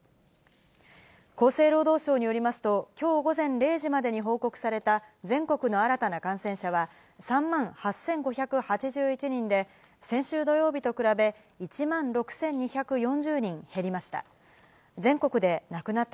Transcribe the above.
厚生労働省によりますと、きょう午前０時までに報告された全国の新たな感染者は３万８５８１人で、先週土曜日と比べ、１万６２４０人減りました。